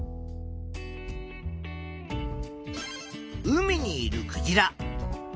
海にいるクジラ。